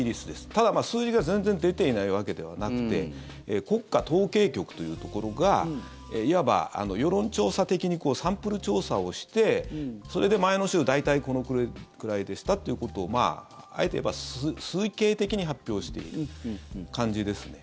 ただ、数字が全然出ていないわけではなくて国家統計局というところがいわば世論調査的にサンプル調査をしてそれで前の週大体このくらいでしたということをあえて言えば、推計的に発表している感じですね。